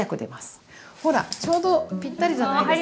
ほらちょうどぴったりじゃないですか。